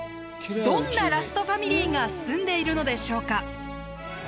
どんなラストファミリーが住んでいるのでしょうか。